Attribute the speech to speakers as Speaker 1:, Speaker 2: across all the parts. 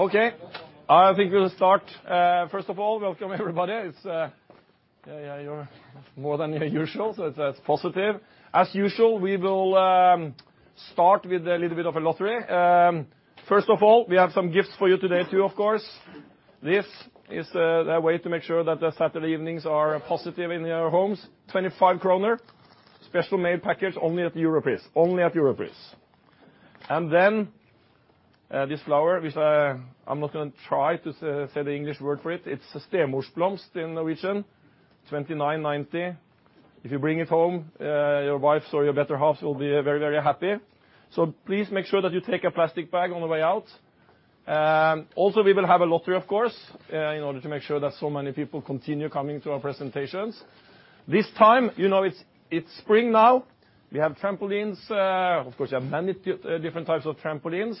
Speaker 1: Okay. I think we'll start. First of all, welcome everybody. It's, yeah, you're more than your usual, so it's positive. As usual, we will start with a little bit of a lottery. First of all, we have some gifts for you today too, of course. This is the way to make sure that the Saturday evenings are positive in your homes. 25 kroner. Special made package only at Europris. Only at Europris. Then, this flower, which I'm not going to try to say the English word for it. It's stemorsblomst in Norwegian, 29.90. If you bring it home, your wives or your better halves will be very, very happy. Please make sure that you take a plastic bag on the way out. Also, we will have a lottery, of course, in order to make sure that so many people continue coming to our presentations. This time, you know it's spring now. We have trampolines. Of course, you have many different types of trampolines,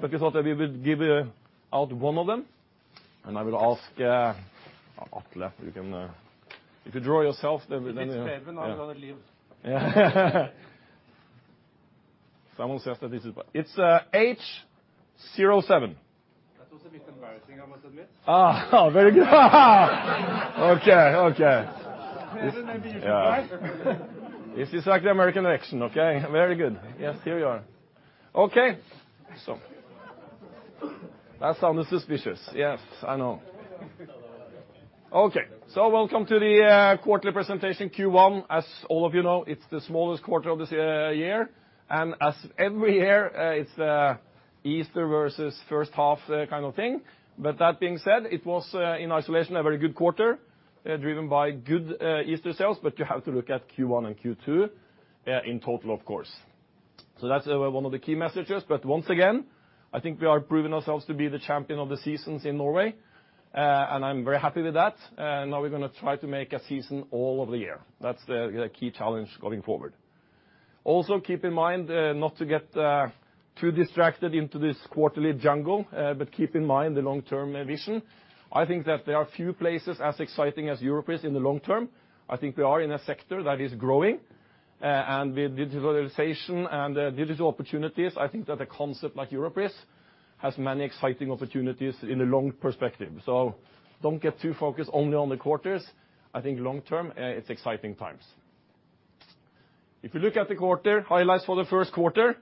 Speaker 1: but we thought that we would give out one of them. I will ask Atle if you can If you draw yourself, then- You get seven out of it leaves. Someone says that this is by It's H07. That was a bit embarrassing, I must admit. Very good. Okay. Better than being surprised. This is like the American election. Okay, very good. Yes, here you are. Okay. That sounded suspicious. Yes, I know. Okay, welcome to the quarterly presentation Q1. As all of you know, it's the smallest quarter of this year. As every year, it's Easter versus first half kind of thing. That being said, it was, in isolation, a very good quarter, driven by good Easter sales, but you have to look at Q1 and Q2 in total, of course. That's one of the key messages. Once again, I think we are proving ourselves to be the champion of the seasons in Norway, and I'm very happy with that. Now we're going to try to make a season all of the year. That's the key challenge going forward. Also, keep in mind not to get too distracted into this quarterly jungle, but keep in mind the long-term vision. I think that there are few places as exciting as Europris in the long term. I think we are in a sector that is growing. With digitalization and digital opportunities, I think that a concept like Europris has many exciting opportunities in the long perspective. Don't get too focused only on the quarters. I think long term, it's exciting times. If you look at the quarter, highlights for the first quarter,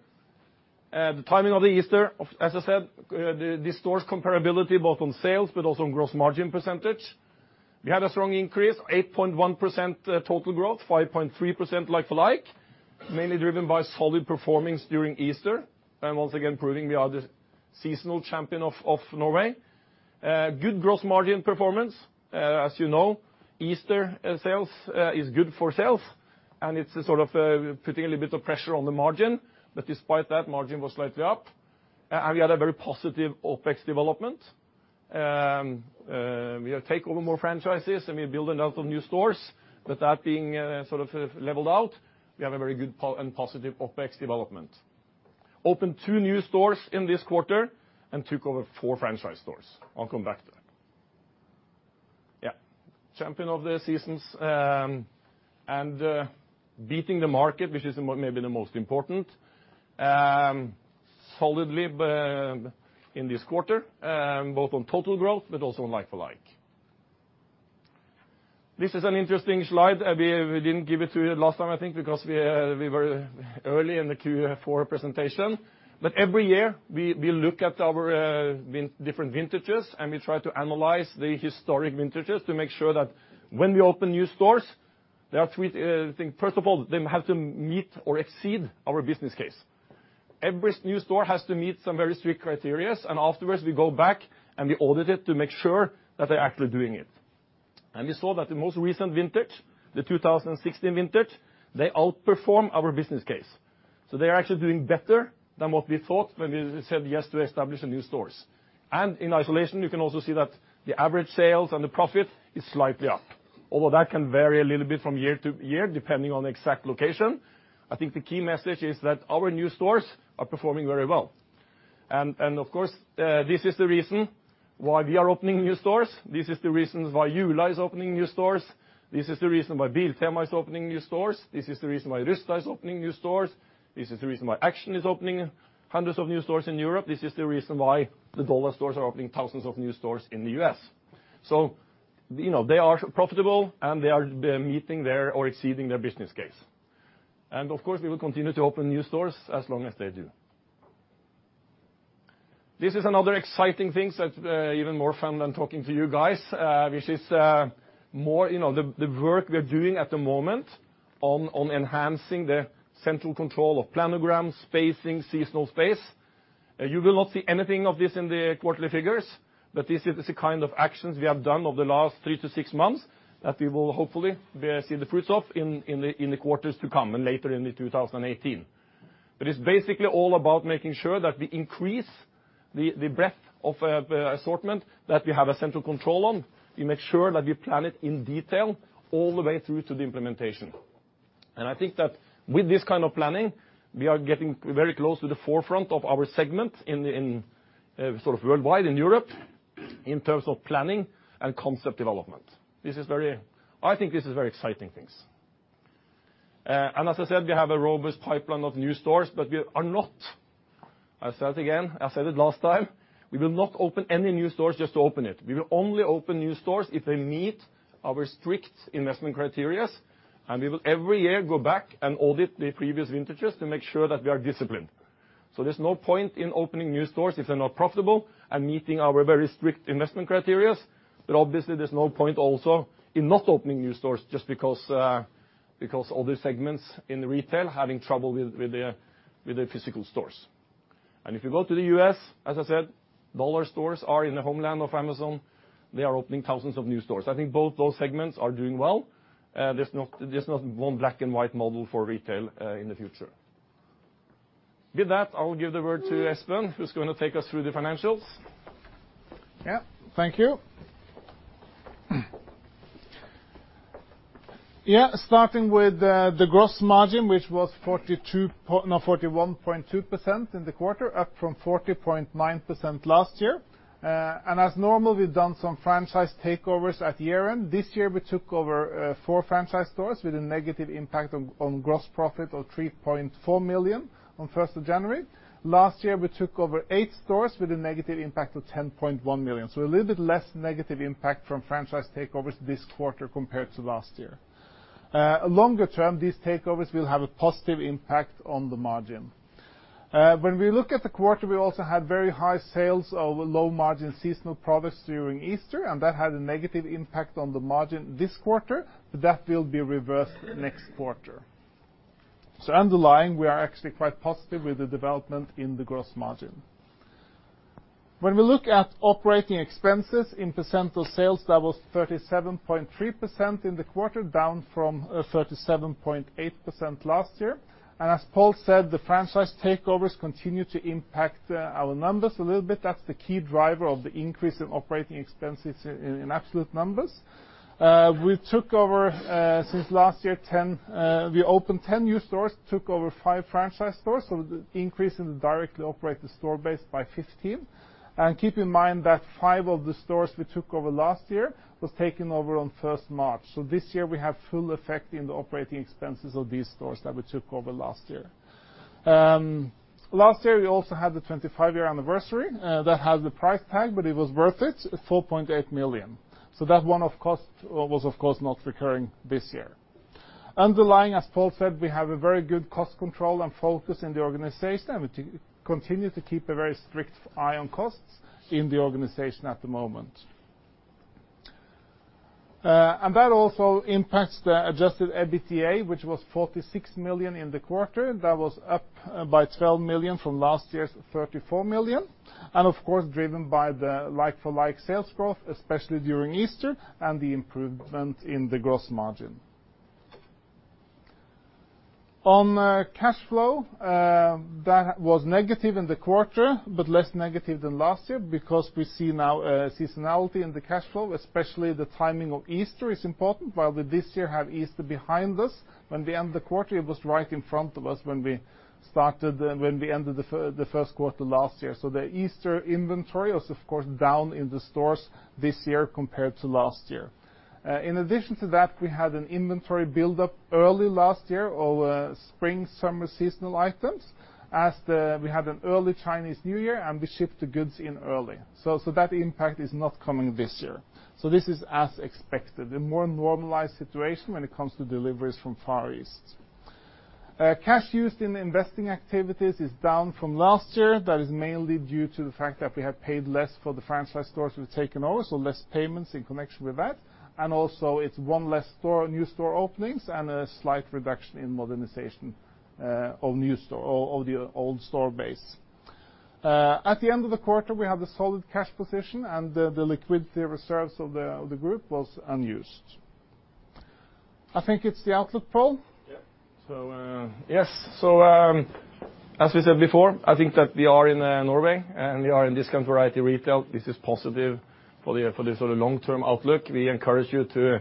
Speaker 1: the timing of the Easter, as I said, this stores comparability both on sales but also on gross margin percentage. We had a strong increase, 8.1% total growth, 5.3% like-for-like, mainly driven by solid performance during Easter, and once again proving we are the seasonal champion of Norway. Good gross margin performance. As you know, Easter sales is good for sales, and it's a sort of putting a little bit of pressure on the margin. Despite that, margin was slightly up. We had a very positive OpEx development. We take over more franchises, and we build a lot of new stores. That being sort of leveled out, we have a very good and positive OpEx development. Opened two new stores in this quarter and took over four franchise stores. I'll come back to that. Champion of the seasons, and beating the market, which is maybe the most important solidly in this quarter, both on total growth but also on like-for-like. This is an interesting slide. We didn't give it to you last time, I think, because we were early in the Q4 presentation. Every year, we look at our different vintages, and we try to analyze the historic vintages to make sure that when we open new stores, there are three things. First of all, they have to meet or exceed our business case. Every new store has to meet some very strict criteria, and afterwards we go back, and we audit it to make sure that they're actually doing it. We saw that the most recent vintage, the 2016 vintage, they outperform our business case. They are actually doing better than what we thought when we said yes to establish new stores. In isolation, you can also see that the average sales and the profit is slightly up. Although that can vary a little bit from year to year, depending on exact location. I think the key message is that our new stores are performing very well. Of course, this is the reason why we are opening new stores. This is the reason why Jula is opening new stores. This is the reason why Biltema is opening new stores. This is the reason why Rusta is opening new stores. This is the reason why Action is opening hundreds of new stores in Europe. This is the reason why the Dollar stores are opening thousands of new stores in the U.S. They are profitable, and they are meeting their or exceeding their business case. Of course, we will continue to open new stores as long as they do. This is another exciting thing that's even more fun than talking to you guys, which is the work we are doing at the moment on enhancing the central control of planograms, spacing, seasonal space. You will not see anything of this in the quarterly figures, but this is the kind of actions we have done over the last 3-6 months that we will hopefully see the fruits of in the quarters to come and later in 2018. It's basically all about making sure that we increase the breadth of assortment that we have a central control on. We make sure that we plan it in detail all the way through to the implementation. I think that with this kind of planning, we are getting very close to the forefront of our segment in sort of worldwide, in Europe, in terms of planning and concept development. I think this is very exciting things. As I said, we have a robust pipeline of new stores, we are not, I'll say it again, I said it last time, we will not open any new stores just to open it. We will only open new stores if they meet our strict investment criteria, and we will every year go back and audit the previous vintages to make sure that we are disciplined. There's no point in opening new stores if they're not profitable and meeting our very strict investment criteria. Obviously, there's no point also in not opening new stores just because other segments in retail are having trouble with their physical stores. If you go to the U.S., as I said, dollar stores are in the homeland of Amazon. They are opening thousands of new stores. I think both those segments are doing well. There's not one black-and-white model for retail in the future. With that, I will give the word to Espen, who's going to take us through the financials. Thank you. Starting with the gross margin, which was 41.2% in the quarter, up from 40.9% last year. As normal, we've done some franchise takeovers at year-end. This year, we took over four franchise stores with a negative impact on gross profit of 3.4 million on the 1st of January. Last year, we took over eight stores with a negative impact of 10.1 million, a little bit less negative impact from franchise takeovers this quarter compared to last year. Longer term, these takeovers will have a positive impact on the margin. When we look at the quarter, we also had very high sales of low-margin seasonal products during Easter, that had a negative impact on the margin this quarter. That will be reversed next quarter. Underlying, we are actually quite positive with the development in the gross margin. When we look at operating expenses in percent of sales, that was 37.3% in the quarter, down from 37.8% last year. As Pål said, the franchise takeovers continue to impact our numbers a little bit. That's the key driver of the increase in operating expenses in absolute numbers. We took over, since last year, we opened 10 new stores, took over five franchise stores, the increase in the directly operated store base by 15. Keep in mind that five of the stores we took over last year was taken over on 1st March. This year, we have full effect in the operating expenses of these stores that we took over last year. Last year, we also had the 25-year anniversary. That had the price tag, but it was worth it at 4.8 million. That one was, of course, not recurring this year. Underlying, as Pål said, we have a very good cost control and focus in the organization, we continue to keep a very strict eye on costs in the organization at the moment. That also impacts the adjusted EBITDA, which was 46 million in the quarter. That was up by 12 million from last year's 34 million, of course, driven by the like-for-like sales growth, especially during Easter and the improvement in the gross margin. On cash flow, that was negative in the quarter, less negative than last year because we see now a seasonality in the cash flow, especially the timing of Easter is important. While we this year have Easter behind us when we end the quarter, it was right in front of us when we ended the first quarter last year. The Easter inventory is, of course, down in the stores this year compared to last year. In addition to that, we had an inventory buildup early last year of spring/summer seasonal items, as we had an early Chinese New Year, and we shipped the goods in early. That impact is not coming this year. This is as expected, a more normalized situation when it comes to deliveries from Far East. Cash used in investing activities is down from last year. That is mainly due to the fact that we have paid less for the franchise stores we've taken over, so less payments in connection with that, and also it's one less new store openings and a slight reduction in modernization of the old store base. At the end of the quarter, we have the solid cash position and the liquidity reserves of the group was unused. I think it's the outlook, Pål? As we said before, I think that we are in Norway, and we are in discount variety retail. This is positive for the sort of long-term outlook. We encourage you to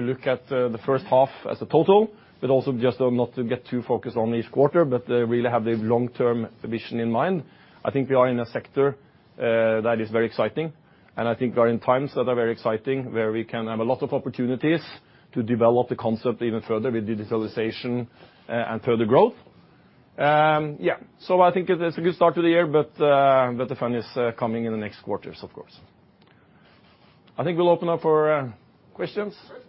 Speaker 1: look at the first half as a total, but also just not to get too focused on each quarter, but really have the long-term vision in mind. I think we are in a sector that is very exciting, and I think we are in times that are very exciting, where we can have a lot of opportunities to develop the concept even further with digitalization and further growth. I think it is a good start to the year, but the fun is coming in the next quarters, of course. I think we'll open up for questions. Questions.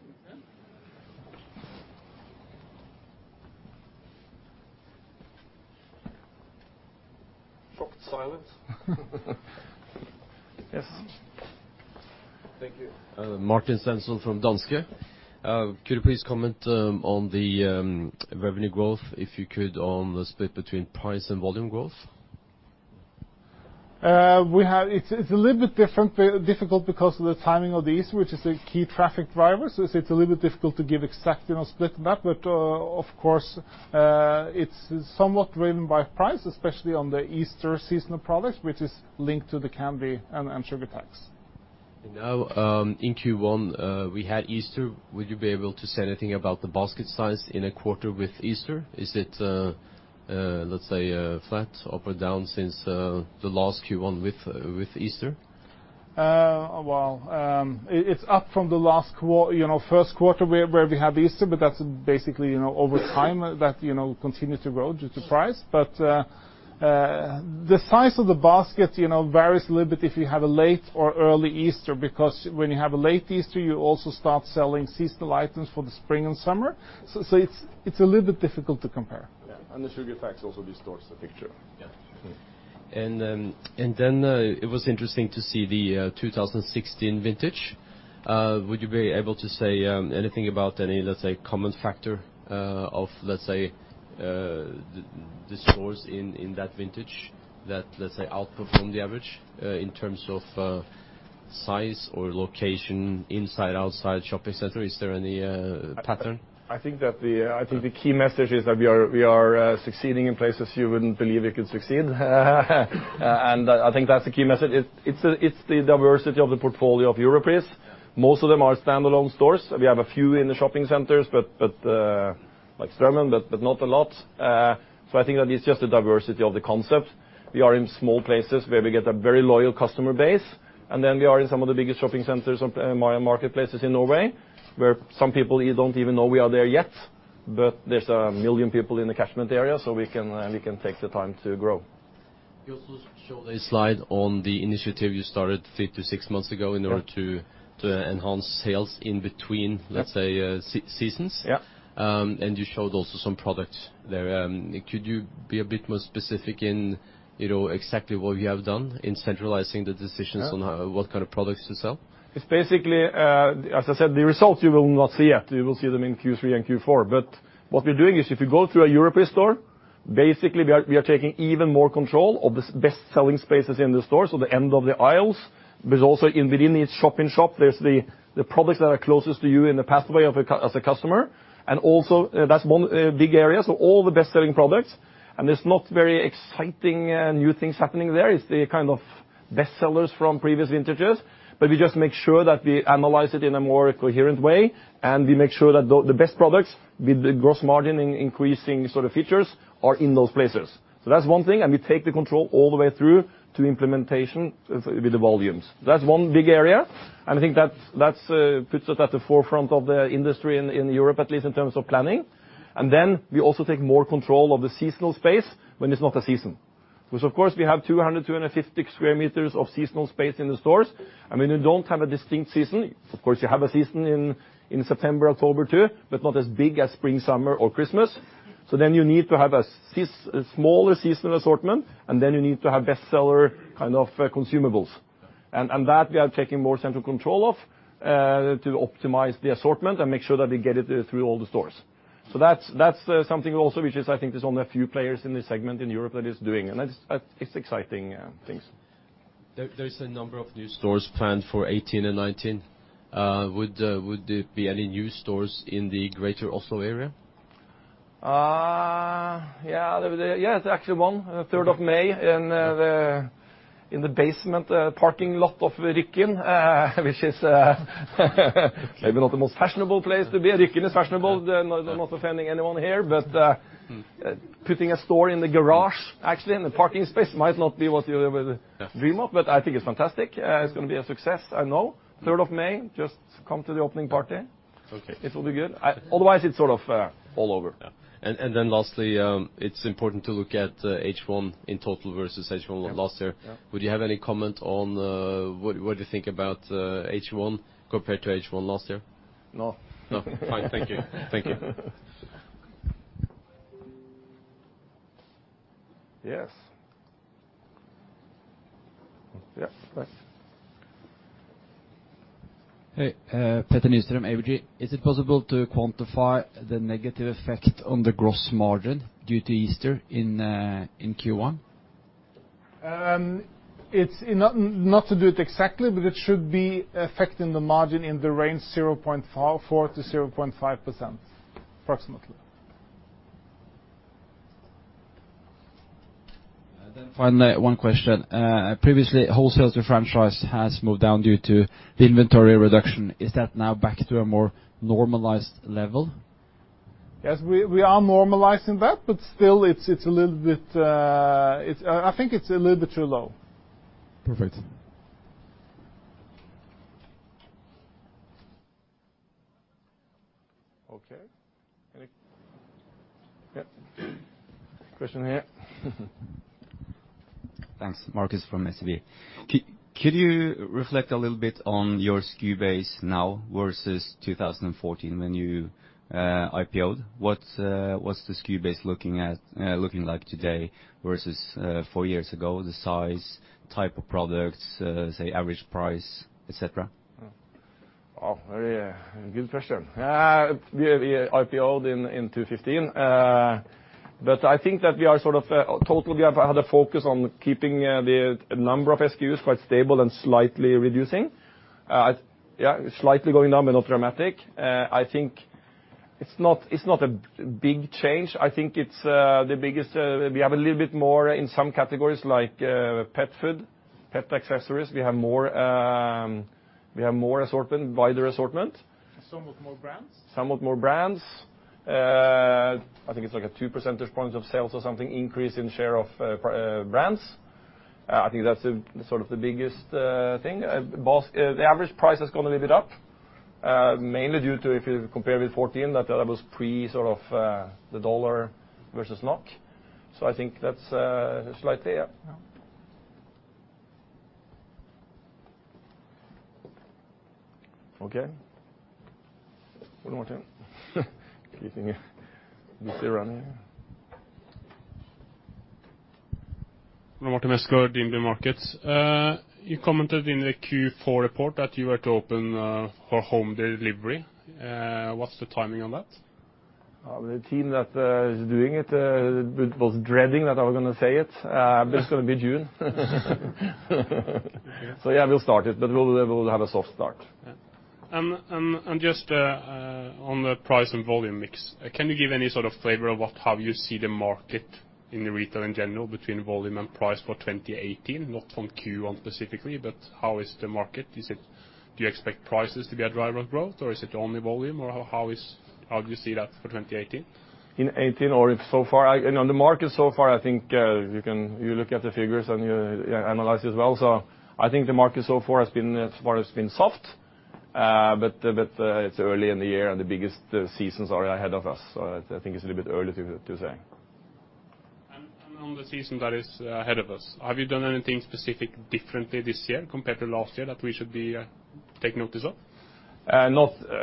Speaker 1: Proper silence. Yes. Thank you.
Speaker 2: Martin Stenshall from Danske. Could you please comment on the revenue growth, if you could, on the split between price and volume growth?
Speaker 1: It's a little bit difficult because of the timing of the Easter, which is a key traffic driver, so it's a little bit difficult to give exact split on that. Of course, it's somewhat driven by price, especially on the Easter seasonal products, which is linked to the candy and sugar tax.
Speaker 2: Now, in Q1, we had Easter. Would you be able to say anything about the basket size in a quarter with Easter? Is it, let's say, flat, up, or down since the last Q1 with Easter?
Speaker 1: It's up from the first quarter where we had Easter, but that's basically over time that continue to grow due to price. The size of the basket varies a little bit if you have a late or early Easter, because when you have a late Easter, you also start selling seasonal items for the spring and summer. It's a little bit difficult to compare.
Speaker 2: Yeah. The sugar tax also distorts the picture. Yeah. It was interesting to see the 2016 vintage. Would you be able to say anything about any, let's say, common factor of the stores in that vintage that, let's say, outperformed the average, in terms of size or location, inside, outside, shopping center? Is there any pattern?
Speaker 1: I think the key message is that we are succeeding in places you wouldn't believe we could succeed. I think that's the key message. It's the diversity of the portfolio of Europris. Most of them are standalone stores. We have a few in the shopping centers, like Strømmen, but not a lot. I think that it's just the diversity of the concept. We are in small places where we get a very loyal customer base, and then we are in some of the biggest shopping centers or marketplaces in Norway, where some people don't even know we are there yet. There's a million people in the catchment area, so we can take the time to grow.
Speaker 2: You also showed a slide on the initiative you started 3 to 6 months ago in order to enhance sales in between, let's say, seasons.
Speaker 1: Yeah.
Speaker 2: You showed also some products there. Could you be a bit more specific in exactly what you have done in centralizing the decisions on what kind of products to sell?
Speaker 1: It's basically, as I said, the results you will not see yet. You will see them in Q3 and Q4. What we're doing is, if you go through a Europris store, basically, we are taking even more control of the best-selling spaces in the store. The end of the aisles, but also within each shop in shop, there's the products that are closest to you in the pathway as a customer. That's one big area. All the best-selling products, and there's not very exciting new things happening there. It's the kind of best sellers from previous vintages. We just make sure that we analyze it in a more coherent way, and we make sure that the best products with the gross margin increasing sort of features are in those places. That's one thing, and we take the control all the way through to implementation with the volumes. That's one big area, and I think that puts it at the forefront of the industry in Europe, at least in terms of planning. We also take more control of the seasonal space when it's not a season. Because of course, we have 200, 250 sq m of seasonal space in the stores. When you don't have a distinct season, of course you have a season in September, October too, but not as big as spring, summer, or Christmas. You need to have a smaller seasonal assortment, and then you need to have best seller kind of consumables. That we are taking more central control of to optimize the assortment and make sure that we get it through all the stores. That's something also, which is, I think there's only a few players in this segment in Europe that is doing, and it's exciting things.
Speaker 2: There's a number of new stores planned for 2018 and 2019. Would there be any new stores in the greater Oslo area?
Speaker 1: Yeah. There's actually one, third of May in the basement parking lot of Rykkinn, which is maybe not the most fashionable place to be. Rykkinn is fashionable. I'm not offending anyone here, but putting a store in the garage, actually in the parking space, might not be what you would dream of, but I think it's fantastic. It's going to be a success, I know. Third of May, just come to the opening party.
Speaker 2: Okay.
Speaker 1: It will be good. Otherwise, it's sort of all over.
Speaker 2: Yeah. Then lastly, it's important to look at H1 in total versus H1 of last year.
Speaker 1: Yeah.
Speaker 2: Would you have any comment on what you think about H1 compared to H1 last year?
Speaker 1: No.
Speaker 2: No? Fine. Thank you.
Speaker 1: Yes? Yes, please.
Speaker 3: Hey. Petter Nystrøm, ABG. Is it possible to quantify the negative effect on the gross margin due to Easter in Q1?
Speaker 1: Not to do it exactly, but it should be affecting the margin in the range 0.4%-0.5%, approximately.
Speaker 3: Finally, one question. Previously, wholesale to franchise has moved down due to the inventory reduction. Is that now back to a more normalized level?
Speaker 1: Yes, we are normalizing that, but still, I think it's a little bit too low.
Speaker 3: Perfect.
Speaker 1: Okay. Any question here.
Speaker 4: Thanks. Marcus from SEB. Could you reflect a little bit on your SKU base now versus 2014 when you IPO'd? What's the SKU base looking like today versus four years ago? The size, type of products, say, average price, et cetera?
Speaker 1: Very good question. We IPO'd in 2015. I think that we are sort of totally have had a focus on keeping the number of SKUs quite stable and slightly reducing. Slightly going down, but not dramatic. I think it's not a big change. I think we have a little bit more in some categories like pet food, pet accessories. We have more assortment, wider assortment. Somewhat more brands? Somewhat more brands. I think it's like a two percentage points of sales or something increase in share of brands. I think that's the biggest thing. The average price has gone a little bit up, mainly due to if you compare with 2014, that was pre the USD versus NOK. I think that's slightly, yeah. Okay. Ole Martin. Keeping you busy running here.
Speaker 5: Ole Martin Westgaard, DNB Markets. You commented in the Q4 report that you are to open for home delivery. What's the timing on that?
Speaker 1: The team that is doing it was dreading that I was going to say it. It's going to be June.
Speaker 5: Yeah.
Speaker 1: Yeah, we'll start it, but we'll have a soft start.
Speaker 5: Yeah. Just on the price and volume mix, can you give any sort of flavor of how you see the market in the retail in general between volume and price for 2018? Not on Q1 specifically, but how is the market? Do you expect prices to be a driver of growth, or is it only volume, or how do you see that for 2018?
Speaker 1: In 2018, or if so far? On the market so far, I think, you look at the figures and you analyze as well. I think the market so far has been soft. It's early in the year, and the biggest seasons are ahead of us. I think it's a little bit early to say.
Speaker 5: On the season that is ahead of us, have you done anything specific differently this year compared to last year that we should take notice of?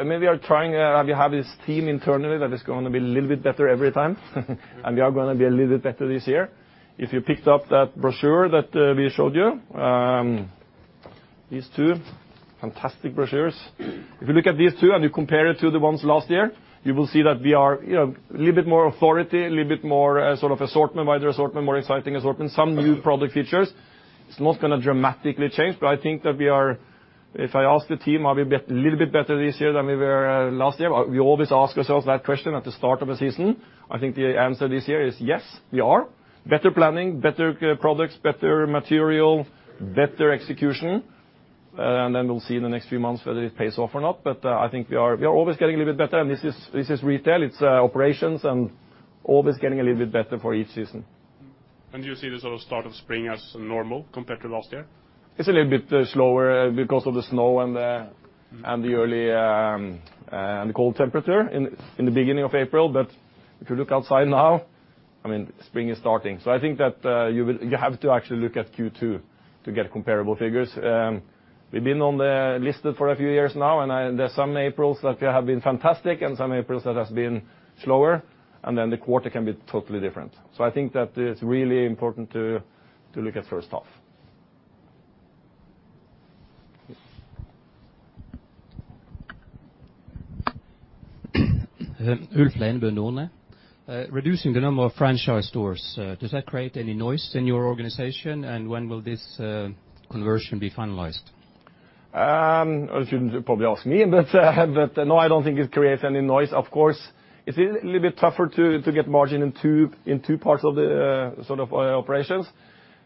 Speaker 1: Maybe we have this team internally that is going to be a little bit better every time. We are going to be a little bit better this year. If you picked up that brochure that we showed you, these two fantastic brochures. If you look at these two and you compare it to the ones last year, you will see that we are a little bit more authority, a little bit more sort of assortment, wider assortment, more exciting assortment, some new product features. It's not going to dramatically change, but I think that if I ask the team, are we a little bit better this year than we were last year? We always ask ourselves that question at the start of a season. I think the answer this year is yes, we are. Better planning, better products, better material, better execution. We'll see in the next few months whether it pays off or not. I think we are always getting a little bit better, and this is retail, it's operations, and always getting a little bit better for each season.
Speaker 5: Do you see the sort of start of spring as normal compared to last year?
Speaker 1: It's a little bit slower because of the snow and the early cold temperature in the beginning of April. If you look outside now, spring is starting. I think that you have to actually look at Q2 to get comparable figures. We've been listed for a few years now, and there's some Aprils that have been fantastic and some Aprils that have been slower, and then the quarter can be totally different. I think that it's really important to look at first half.
Speaker 6: Ulf Lenby, Nordnet. Reducing the number of franchise stores, does that create any noise in your organization? When will this conversion be finalized?
Speaker 1: You shouldn't probably ask me. No, I don't think it creates any noise. Of course, it's a little bit tougher to get margin in two parts of the operations.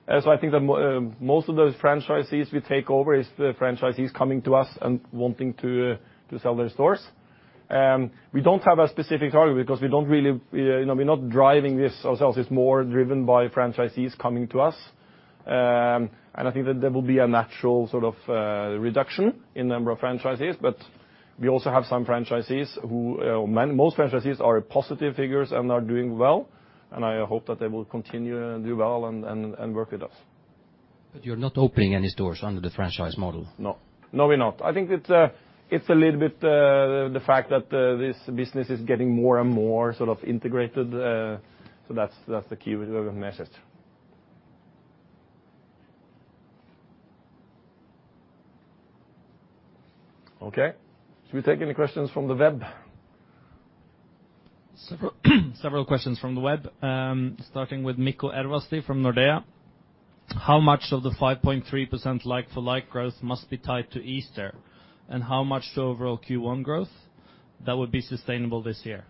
Speaker 1: I think that most of those franchisees we take over is the franchisees coming to us and wanting to sell their stores. We don't have a specific target because we're not driving this ourselves. It's more driven by franchisees coming to us. I think that there will be a natural reduction in number of franchisees. Most franchisees are positive figures and are doing well. I hope that they will continue and do well and work with us.
Speaker 6: You're not opening any stores under the franchise model? No. No, we're not. I think it's a little bit the fact that this business is getting more and more integrated. That's the key message. Okay. Should we take any questions from the web?
Speaker 1: Several questions from the web. Starting with Mikko Ervasti from Nordea. How much of the 5.3% like-for-like growth must be tied to Easter, and how much to overall Q1 growth that would be sustainable this year?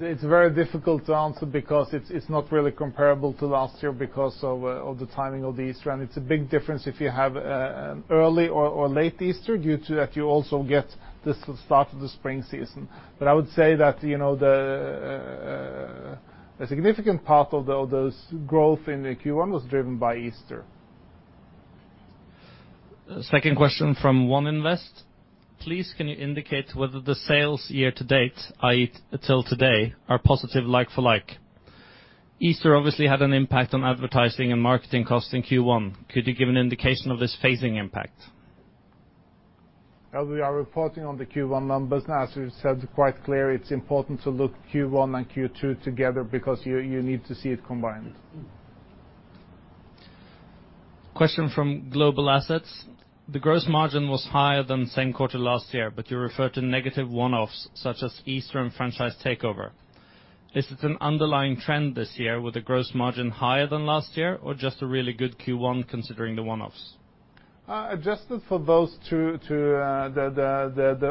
Speaker 1: It's very difficult to answer because it's not really comparable to last year because of the timing of the Easter, and it's a big difference if you have an early or late Easter, due to that you also get the start of the spring season. I would say that a significant part of the growth in the Q1 was driven by Easter.
Speaker 7: Second question from 1Invest. Please, can you indicate whether the sales year to date, i.e., until today, are positive like-for-like? Easter obviously had an impact on advertising and marketing costs in Q1. Could you give an indication of this phasing impact?
Speaker 1: We are reporting on the Q1 numbers. As we've said quite clear, it's important to look Q1 and Q2 together because you need to see it combined.
Speaker 7: Question from Global Assets. The gross margin was higher than same quarter last year, you referred to negative one-offs such as Easter and franchise takeover. Is it an underlying trend this year with the gross margin higher than last year or just a really good Q1 considering the one-offs?
Speaker 1: Adjusted for those two,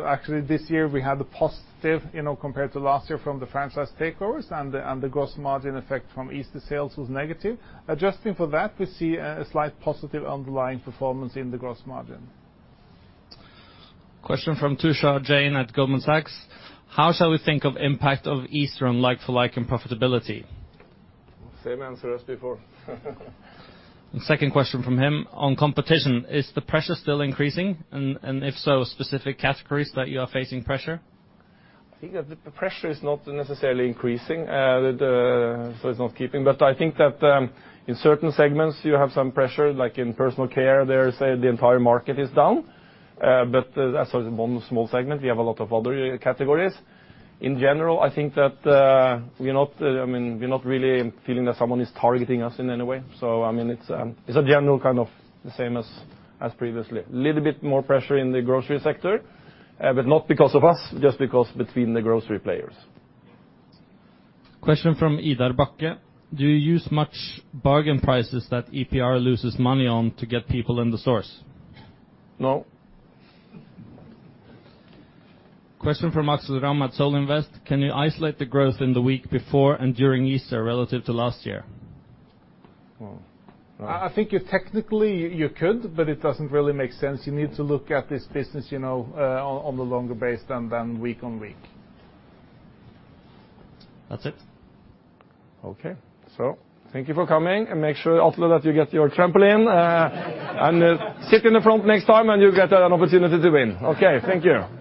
Speaker 1: actually this year we had a positive compared to last year from the franchise takeovers and the gross margin effect from Easter sales was negative. Adjusting for that, we see a slight positive underlying performance in the gross margin.
Speaker 7: Question from Tushar Jain at Goldman Sachs. How shall we think of impact of Easter on like-for-like and profitability?
Speaker 1: Same answer as before.
Speaker 7: Second question from him. On competition, is the pressure still increasing? If so, specific categories that you are facing pressure?
Speaker 1: I think that the pressure is not necessarily increasing. It's not keeping, I think that in certain segments you have some pressure, like in personal care there, say, the entire market is down. That's only one small segment. We have a lot of other categories. In general, I think that we're not really feeling that someone is targeting us in any way. It's a general kind of the same as previously. Little bit more pressure in the grocery sector, not because of us, just because between the grocery players.
Speaker 7: Question from Idar Bakke. Do you use much bargain prices that EPR loses money on to get people in the stores? No.
Speaker 8: Question from Aksel Ramstad, ODIN Forvaltning. Can you isolate the growth in the week before and during Easter relative to last year?
Speaker 1: I think technically you could. It doesn't really make sense. You need to look at this business on the longer base than week on week.
Speaker 7: That's it.
Speaker 1: Okay. Thank you for coming, and make sure also that you get your trampoline. Sit in the front next time, and you'll get an opportunity to win. Okay. Thank you.